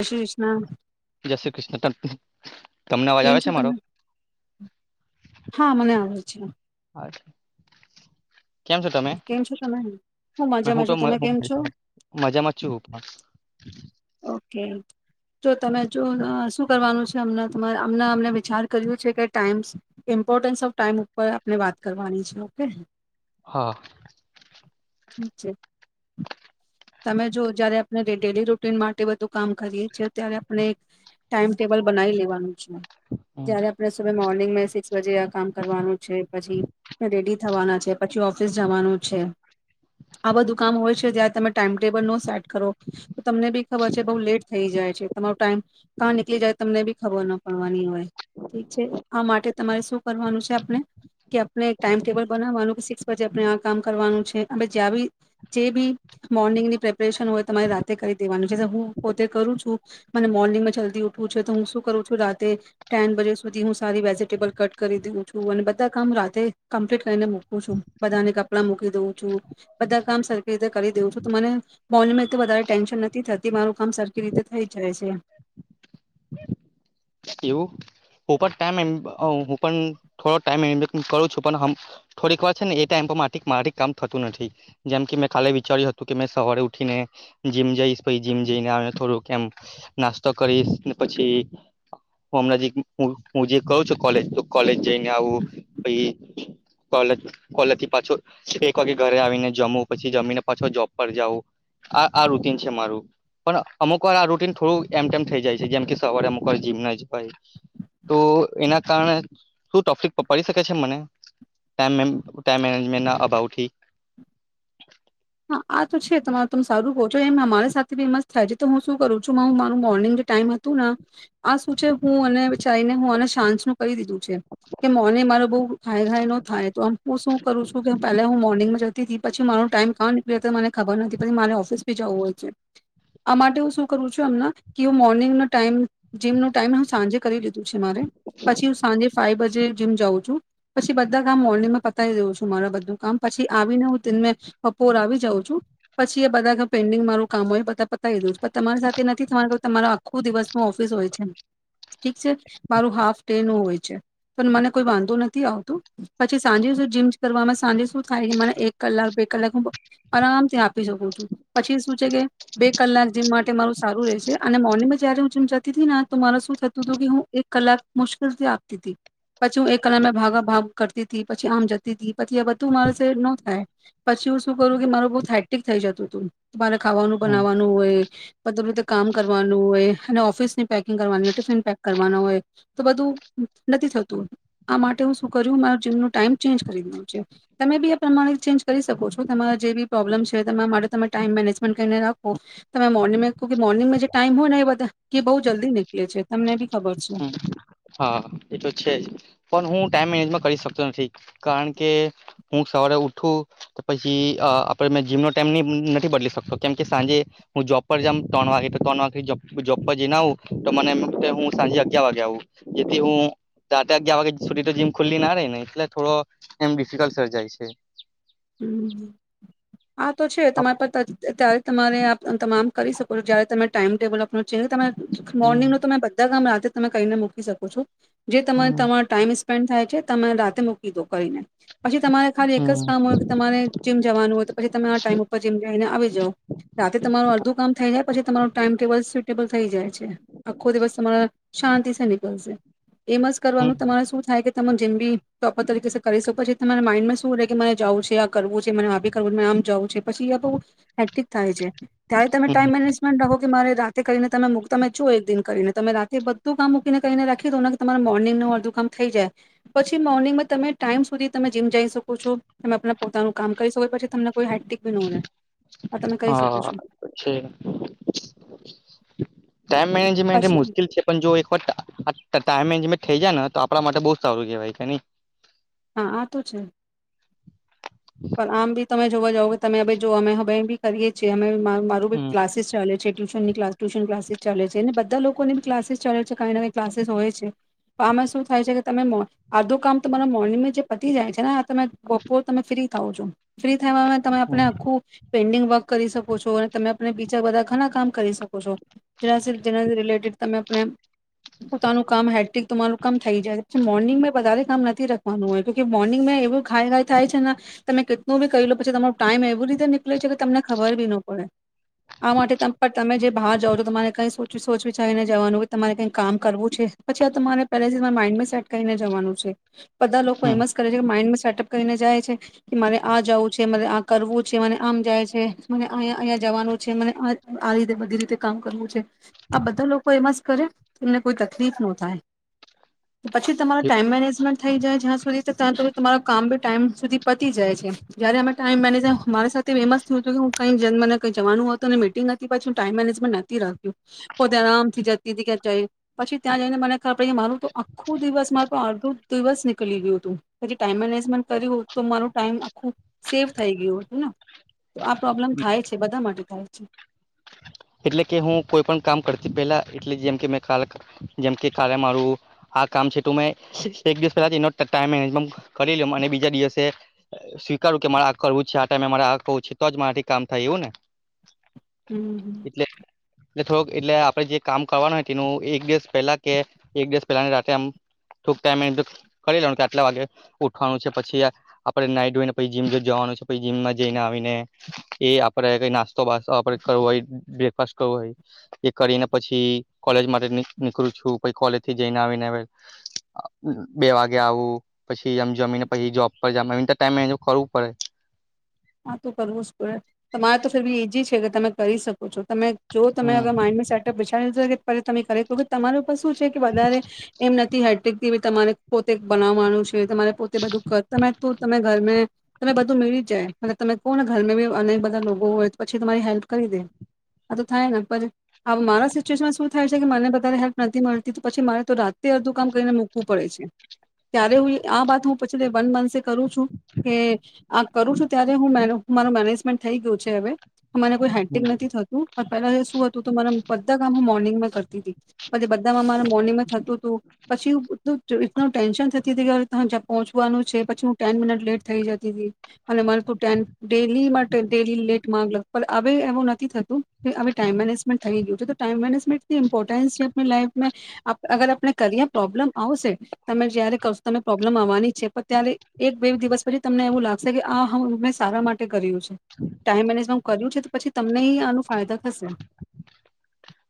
જય શ્રી કૃષ્ણ જયસે કૃષ્ણ ટં કેમ છો તમે હા મને આવે છે આવે છે. કેમ છો તમે કેમ છો તમે હું મજામાં તો છું તમે કેમ છો મજામાં જ છુંું હ ઓકે તો તમે જો શું કરવાનું છે અમ તમા અમને અમને વિચાર કર્યું છે કે ટાઈઇમ્ ઇમ્પોર્ટન્સ ઓફ ટાાઈમ ઉપર આપણે વાત કરવાની છે ઓકે હા છે તમે જો જયારે આપણે ડેલી ર ન માટે બધું કામ કરીએ છેીએ ત્યારે આપણે એક ટાાઈમટેબલ બનાવી લેવાનું હમ. જય્યારે આપણે સમય મોર્નિંગ ંગ મેં સિક્સ વે આ કામ કરવાનું છે પછી મે રેડી થવાના છે પછી ઓફિસ જવાનું છે આ બધું કામ હોય છે જં તમે ટાઈમટેબલ નો સેટ કરો તો તમને બી ખબર છે બઉુ લેટ થઈ જાય છે તમારો ટાઈમ કાં નીકળી જાય તમને બી ખબર ના પડવાની હોય ઠીક છે આ માટે તમારે શું કરવાનું છે આપણે કે આપણે એક ટાઈમ ટેબલ બના માનુંું ક આપણે આ કામ કરવાનું છે અને જ્યાં બી જે બી મોર્નિંગની પ્રેપરેશન હોય તમારે રા તે કરી દેવાનું છે હું પોતે કરું છું મને મોર્નિંગમાં જલ્દી ઉઠવું છે તો હું શું કરું છું રાતે ટેન બજે સુધી હું સારી વેજીિટેબલ કટ કરી દઉં છું અને બધા કામ રાતે જ કમ્પ્લીટ કરીને મૂકું છું બધાને કપડાં મૂકી દઉું છું બધા કામ સરખી રીતે કરી દઉં છું તો મને મોર્નિંગમા એટલી વધારે ટેન્શન નથી થતી મારું કામ સરખી રીતે થઈ જાય છે એમ એવું હું પણ ટેમ અ હું પણ થોડો ટાઈમ મેનેજમેન્ટ કરું છું પણ હમ થોડીક વાર છે ને એ ટાઈમ પર મારથી મારાથી કામ થતું નથી જેમ કે મેં કાલે વિચાર્યું હતું કે મે સવારે ઉઠીને જીમ જઈશ પહી જીમ જઈને આવીને થોડું કેમ નાસ્તો કરીશને પછી હું હમણાં જે હું હુ જે કઅ છું કોલેજ તો કોલેજ જઈને આવું પછી કોલેજ કોલેજથી પાછો એક વાગે ઘરે આવીને જમું પછી જમીને પાછો જોબ પર જાવું આ આ રૂટીન છે મારું પણ અમુક વાર આ રુટીન થોડું એમ તેમ થઇ જાય છે જેમ કે સવારે અમુક અમુક વાર જીમ ન જવાય તો એના કારણે શુ ટકલીફ પ પડી શકે છે મને ટાઈમ મેમ ટાઈમ મેનેજમેન્ટના અભાવથી હા આ તો છે તમારે તમે સારું કહો છો એમ ના મારા સાથે બી મસ્ત થાય છે તો હું શું કરું છું મારુ મારુ મોર્નિંગ જે ટાઈમ તુને આ શું છે હું અને જાઈને હુંવાના સાસનું કરી દીધું છે કે મોને મારો બઉ ખાય ખાઈ નો થાય તો હું શું કરું છું કે પેલા હું મોર્નિંગ જ તેથી પછી મારો ટાઈમ કા નીકળી જાય તે મને ખબર નથી પછી મારે ઓફિસ ભી જવું હોય છે આ માટે હું શું કરું છું અમના કે હું મોર્નિંગના ટાઈમ જીમ નો ટાઈમ હું સાંજે કરી લીધું છે મારે પછી હું સાંજે ફાઈ બજે જે જીમ જાઉં છું પછી બધા કામ મોર્નિંગમાં પતાવી દઉં છું મારે બધું કામ પછી આવીને હું તીન મે બપોર આવી જાઉં છું પછી એ બધા કામ પેન્ડિંગ મારું કામ હોય બધા પતાવી દઉ છું પણ તમારી સાથે નથી તમારા કેવુ તમારા આખો દિવસમાં ઓફિસ હોય છે ઠીક છે મારું હાફ ડે નું હોય છે તો મને કોઈ વાંધો નથી આવતું પછી સાંજે શું જીમ જ કરવામાં સાંજે શું થાય મને એક કલાક બે કલાક હું બ આરામથી આપી શકું છું પછી શું છે કે બે કલાક જીમ માટે મારું સારું રહેશે અને મોર્નિંગ જયારે હુંમ જતી હતી ને તો મારે શું થતું હતું કે હું એક કલાક મુશ્કેલથી આપતી હતી પછી હું એક કલાકે ભાગ ભાગ કરતી હતી પછી આમ જતી તી પછી આ બધું મારેથી ન થાય. પછી હું શું કરું કે મારુ બહુ હે્ટિક થઈ જતું હતું. મારે ખાવાનું હમ બનાવવાનું હોય બધું રીતે કામ કરવાનું હોય અને ઓફિસની પેકિંગ કરવાની ટિફિન પેક કરવાનું હોય તો બધું નથી થતું આ માટે હું શું કર્યું મારા જીમ નો ટાઈમ ચેન્જ કરી દીધો છે તમે બી એ પ્રમાણે ચેન્જ કરી શકો છો તમારા જે બી પ્રોબ્લેમ છે તમારા માટે તમે ટાઈમ મેનેજમેન્ટ કરીને રાખો તમે મોર્નિંગ કો કે મોર્નિંગમાં જે ટાઈમ હોય ને એ બધા કે બહુ જલ્દી નીકળે છે તમને બી ખબર છે. હમ હા એ તો છે જ પણ હું ટાઈમ મેનેજમાં કરી શકતો નથી કારણ કે હું સવારે ઉઠું તો પછી અ આપડે મે જીમનો ટાઈમ ની નથી બદલી શકતો કેમ કે સાંજે હું જોબ પર જામ ત્રણ વાગે તો ત્રણ વાગે જોબ જોબ પર જઈને આવું તો મને એમ કે હું સાંજે અગિયાર વાગે આવું. જેથી હું તા તા અગિયાર વાગે સુધી તો જીમ ખુલ્લી ના રે ને એટલે થોડો એમ ડિફિકલ્ટ સર્જાય છે. હમ આ તો છે તમારા પર ત અ અત્યારે તમારે આપ આમ તમામ કરી શકો જયારે તમે ટાઈમ ટેબલ આપણો છે કે તમે હમ મોર્નિંગનો તો મેં બધા કામ રાખ તે તમે કઈને મુકી શકો છો. જે તમને હમ તમારે ટાઈમ હીશ પણ થાય છે તમે રાતે મૂકી દો કરીને પછી તમારે ખાલી એક જ કામ હોય તમારે જીમ જવાનું હોય તો પછી તમે આ ટાઈમ ઉપર જીમ જઈને આવી જાવ રાતે તમારું અડધું કામ થઈ જાય પછી તમારું ટાઈમ ટેબલ સીપ ટેબલ થઈ જાય છે. આખો દિવસ તમારા શાંતિ સે નીકલશે એમ જ કરવાનું તમારે શું થાય કે તમારુ જીમ બી ટોપર તરીકેશે કરી શકો છે તમારા માઇન્ડમાં શું રહે કે મારે જવું છે. તે આ કરવું છે મને આ બી કરવું આમ જવું છે પછી આ બહુ હે્ટિક થાય છે. ત્યારે તમે હમ ટાઈમ મેનેજમેન્ટ રાખો કે મારે રાખ તે કરીને તમે તમે છો એક દિન કરીને તમે રાતે બધું કામ મૂકીને કરીને રાખી તો કે તમારા મોર્નિંગનું અડધું કામ થઈ જાય પછી મોર્નિંગમાં તમે ટાઈમ સુધી તમે જીમ જઈ શકો છો તમેણા પોતાનું કામ કરી શકો પછી તમને રહે આ તમે કરી શકો હા છો જો ટાઈમ મેનેજમેન્ટ પછી મુશ્કેલ છે પણ જો એક વખત ટાઈમે મેનેજમેટ થઇ જાય ને તો આપણા માટે બહુ સારું કેહેવાય કે નઈ હા આ તો છે પણ આમ બી તમે જોવા જાવ કે તમે અ જો અમે હમે બી કરીએ છીએ અમે મારું બી હમ કલાસીસ ચાલે છે ટ્યુશન ની કલાસ ટ્યુશન ક્લાસીસ ચલે છે અને બધા લોકોની બી ક્લાસીસ ચલે છે કંઈ ને કંઈ ક્લાસીસ હોય છે તો આ અમે શું થાય છે કે તમે અડધો કામ તો તમારા મોર્નિંગ જે પતી જાય છે આ તમે બપોર તમે ફ્રી થાઓ છો ફ્રી તમે હમ આપનું પેન્ડિંગ વર્ક વર્ક કરી શકો છો અને તમે આપને બીજા બધા ઘણા કામ કરી શકો છો જેના જેના રિલેટેડ તમેને પોતાનું કામ હેડિક તમારું કામ થઈ જાય પછી મોર્નિંગ મે વધારે કામ નથી રાખવાનું હોયકે મોર્નિંગમાં એવું ઘાઈ ઘાઈ થાય છે તમે કેટલું બી કરી લો પછી તમારો ટાઈમ એવું રીતે નીકળે છે કે તમને ખબર બી ન પડે આ માટે પણ તમે જે બહાર જાાવ છો તમારે કઈ સોચ વિચારીને જવાનું તમારે કઈ કામ કરવું છે પછી આ તમારે પહેલાથી તમારા માઇન્ડમાં સેટ કરીને જવાનું છે બધા લોકો હમ એમ જ કરે છે કે માઇન્ડ સેટઅપ કરીને જાય છે કે મારે આ જવું છે મારે આ કરવું છે મને આમ જાય છે મને અહીંયા અહીંયા જવાનું છે મને આ રીતે બધી રીતે કામ કરવું છે આ બધા લોકો એમાં જ કરે એમને કોઈ તકલીફ ન થાય પછી તમારો ટાઈમ મેનેજમેન્ટ થઈ જાય જ્યાં સુધી તો ત્યાં તો તમાર કામ બી ટાઈમ સુધી પતી જાય છે જ્યારે અમે ટાઈમ મેનેજમેન્ટ મારી સાથે ફેમસ થયું હતું કે હું કંઈ મને કઈ જવાનું હો તો અનેને મિટિંગ હતી પછી હું ટાઈમ મેનેજમેન્ટ નથી રાખ્યું પોતે આરામથી જતી હતી ક્યાં જઈ પછી ત્યાં જઈને મને ખબર પડી કે મારું તો આખું દિવસ મા તો અડધો દિવસ નીકળી ગયું હતું પછી ટાઈમ મેનેજમેન્ટ કર્યું તો મારોું ટાઈમ આખું સેવ થઈ ગયયો હેને તો આ પ્રોબ્લેમ થાય છે બધા માટે થાય છે એટલે કે હું કોઈ પણ કામ કરતી પેલા એટલે જેમકેલે જેમકે કાલે મારું આ કામ છે મેં એક દિવસ પલા ટ મે કરી લ અને બીજા દિવસે સ્વીકારું કે મારે આ કરવું છે આ ટાઈમે મારે આવું છે તો જ મારાથી કામ થાય એવું ને હમ એટ થોડક એટલે આપડે જે કામ કરવાનું હોય તેનું એક દિવસ પહેલા કે એક દિવસ પહેલા રાત્ર આમ થોક ટાઈમ કરી લેવાનું કે આટલા વાગે ઉઠવાનું છે પછી આપણે નાઈ ધોઈને પછી જીમ જવાનું છે પછી જીમમાં જઈને આવીને એ આપડે કઈ નાસ્તોસ્તો આપણે કરવો હોય બ્રેકફાસ્ટ કરવું એ કરીને પછી કોલેજ માટે નીકળું છું પછી કોલેજ થી જઈને આવીને બે વાગે આવું પછીમ જમીને પછી જોબ પર જને ટાઈમ મે કરવું પડે હા તોું કરવું જ પડે તમારે તો ફર બી ઈજી છે કે તમે કરી શકો છો તમે જો હમ તમેગર માઇન્ડમાં સેટઅપ વિચારી લેશો કે તમે એક વખત તમારું શું છે કે વધારે એમ નથી હેક્ટીક એવી તમારે પોતે બનાવવાનું છે તમારે પોતે બધું તમે તું તમે ઘર તમે બધું મળી જાય મને તમે કહો ને ઘરમે બી અનેક બધા લોકો હોય તો પછી તમારી હેલ્પ કરી દે આ તો થાય ને પણ આ મારા સિચ્યુએશનમાં શું થાય છે કે મને બધારે હેલ્પ નથી મળતી તો પછી મારે તો રાતે અડધું કામ કરીને મૂકવું પડે છે ત્યારે હું આ વાત હું પછી વન મંથ થી કરું છું કે આ કરું છું ત્યારે હું મારું મેનેજમેન્ટ થઈ ગયું છે હવે મને કોઈ હેક્ટીક નથી થતું પેલા જે શું હત તો તો બધા કામ હ મોર્નિંગમાં કરતી તી પછી બધામાં મારા મોર્નિંગમાં થતું હતું પછી એટલ ટેન્શન થતી હતી કે પહોંચવાનું છે પછી હું ટેન મિનિટ લેટ થઇ જતી હતી અને મને ફ ટન ડેલી માટે ડેલી લેટ માગલ પણ હવે એવું નથી થતું કે હવે ટાઈમ મેનેજમેન્ટ થઈ ગયું છે તો ટાઈમ મેનેજમેન્ટથી ઇમ્પોર્ટન્સ છે લાઈફ અગર આપણે કરી પ્રોબ્લમ આવશે તમે જયારે કશો તમે પ્રોબ્લમ આવવાની છે પણ ત્યારે એક બે દિવસ પછી તમને એવું લાગશે કે આ હ મેં સારા માટે કર્યું છે ટાઈમ મેનેજ હ કર્યું છે તો પછી તમને આનું ફાયદા થશે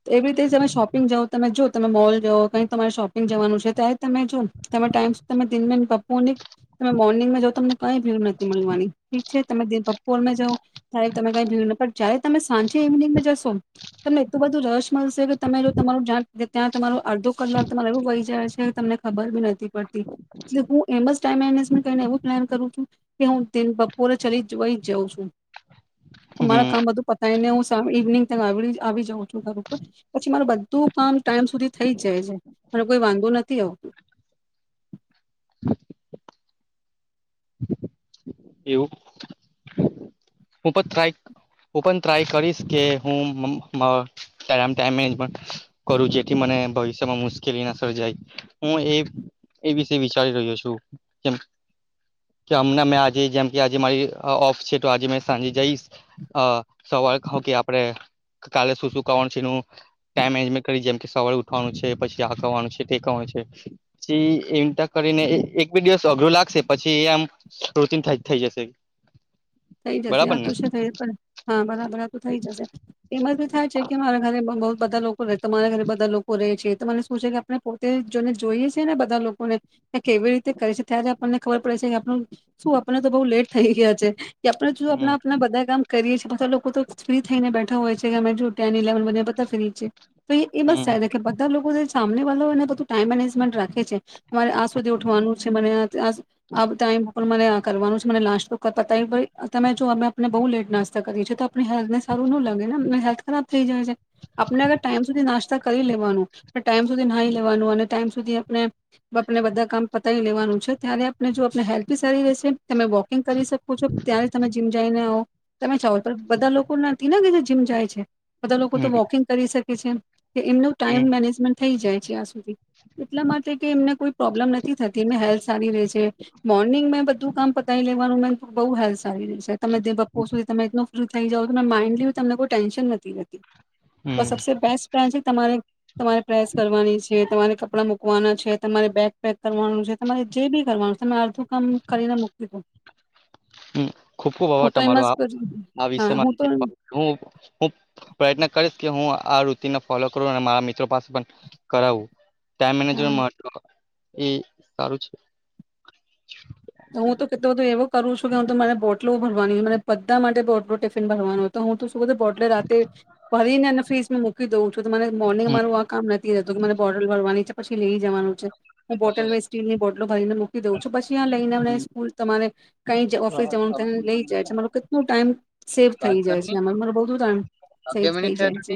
તો એવી રીતે તમે શોપિંગ જાઓ તમે જો તમે મોલ જાઓ કઈ તમારે શોપિંગ જવાનું છે ત્યારે તમે જો તમે ટાઈમ તમે દિનમે બપોરની તમે મોર્નિંગમાં જા તમને કંઈ ભ્યર નથી મળવાની ઠીક છે તમે બપોર જાાવ ત્યારે તમે કઈ ભીડ ન જયારે તમે સાંજે ઇવનિંગ જશો તમને એટલું બધું રસ મળશે કે તમે જો તમાર જ ત્યાં તમાર અડધો કલાક તમારે એવું વહી જાય છે તમને ખબર બી નથી પડતી એટલે હું એમ બસ ટાઈમ મેનેજમેન્ટ કરીને એવું પ્લાન કરું છું કે હું દિન બપોરે ચલીઈ જાઉં છું મારા હમ કામ બધું પતાયને હું ઇવનિંગ ત આવી જાઉં છું ઘર ઉપર પછી મારું બધું કામ ટાઈમ સુધી થઈ જાય છે મરો કોઈ વાંધો નથી આવતોું એવું હું પણ ટ્રાય હું પણ ટ્રાય કરીશ કે હું કરું જેથી મને ભવિષ્યમાં મુશ્કેલી ના સર્જાય હું એ એ વિશે વિચારી રહ્યો છું કેમ કે હમણા મેં આજે જેમ કે આજે મારી ઓફ છે તો આજે મે સાંજે જઈશ અ સવાલ ક કે આપે કાલે શું શું કણ છે નું ટાઈમ એન્જમેન્ટ કરી જેમ કે સવારે ઉઠવાનું છે પછી આ કરવાનું છે ટેકનું છે પછી એ કરીને એક બે દિવસ અઘરો લાગશે પછી એ આમ રોચિન થઈ જશે થઈ જશે બરાબર આ ને તું છે થઈ હા બરાબર આ તોું થઈ જશે એમસ ભી થાય છે કે મારા ઘરે બ બધા લોકો તમારા ઘરે બધા લોકો રહેે છે મને શું છે કે આપણે પોતે જોને જોઈએ છે ને બધા લોકોને કેવી રીતે કરે છે ત્યારે આપણને ખબર પડે છે કે આપ શું આપણને તો બહુ લેટ થઈ ગયા છે કે આપણે શ હમ આપણા આપણા બધા કામ કરીએ છ બધા લોકો તો ફ્રી થઈ ને બેઠ હોય છે અમે જૂટ્યા ને લવન બધને પતા ફરીી છે તો એ મસ હમ ચ એ કે બધા લોકો સામને વાળા એને બધું ટાઈમ મેનેજમેન્ટ રાખે છે તમારે આ સુધી ઉઠવાનું છે મને સ આપ ટાઈમ પણ મને આ કરવાનું છે મને લાશ તો કરતા તય ભાઈ તમે જો અમે આપને બહુ લેટ નાસ્તા કરીએ છીએ આપ હેલ્થનેારું લે ખરાબ થઈ જાય છે આપણેર ટાઈમધી નાસ્તા કરી લેવાનું ટાઈમ સુધી નાી લેવાનું અને ટાઈમ સુધી આપ આપને બધા કામ પતાવી લેવાનું છે ત્યારે આપને જો આપને હેલ્ી સારી રહેશે તમે વોકિંગ કરી શકો છો ત્યારે તમે જીમ જઈને આવ તમે ચાવો તો બધા લોકો નથી નાને કેધ જીમ જાય છે બધા લોકો તો હમ વોકિંગ કરી શકે કે છે કે એમનું ટાઈમ મેનેજમેન્ટ થઈ જાય જ એટલા માટે એમને કોઈ પ્રોબ્લમ નથી થતી હેલ્થ સારી ર છે મોર્નિંગ મેં બધું કામ પતાય લેવાનું મે બ હેલ્ સારી તમે દબપો સુધી તમે એ થઈ જાવ તો માઇન્ડલી તમને કોઈ ટેન્શન નથી હોતી તો હમ સબસે બેસ્ટ ટ્રાન્ઝેક્ટ તમારે તમારે પ્રેસ કરવાની છે તમારે કપડાં મૂકવાના છે તમારે બેગ પેક કરવાનું છે તમારે જે બી કરવાનું છે તમે અડધું કામ કરીને મૂકી દો હુ ખુબ ખુબ હું આભાર તો એમ તમારો જ આ કરું. આ હા વિષમાં હું તો હુ હું પ્રયત્ન કરીશ હું આ આ રુતિને ફોલો કરું અને મારા મિત્રો પાસે પણ કરાવું ટાઈમ હા મેનેજમેન્ટ મહત્વ એ સારું છે હું તો કીધું હતું એવો કરું છું કે હું તો મારે બોટલો ભરવાની હોય મને બધા માટે બોટલો ટિફિન ભરવાનું હોય તો હું હું તો બોટલો રાતે ભરીને અને ફ્રિજમાં મુકું કીધુ તમારે મોર્નિંગ મારું આ કામ રે કે હતું મને બોટલ ભરવાની છે પછી લઈ જવાનું છે હું બોટલ મે સ્ટીલની બોટલ એ ભાઈને મૂકી દઉ છું પછી આને [unintelligible] લે તમારે કઈ ઓફિસ જવાનું થવા નુ લઈ જાય છેરો કે [unintelligible] ટું ટાઈમ સેફ થઈ જાય પતા છે અને બઉ [unintelligible] ટાઈમ સેફ થઈ જાય છે